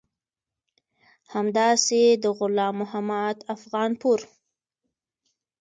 همداسې د غلام محمد افغانپور